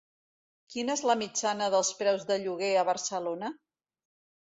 Quina és la mitjana dels preus de lloguer a Barcelona?